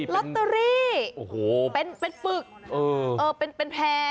โรตเตอรี่เป็นโรตเตอรี่เป็นปึกเป็นแพร่